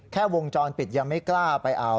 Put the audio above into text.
วงจรปิดยังไม่กล้าไปเอา